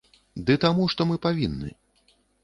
Ды таму, што мы павінны.